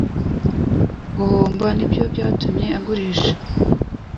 Guhomba nibyo byatumye agurisha